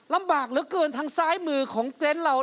ลำบากเหลือเกินทางซ้ายมือของเต็นต์เรา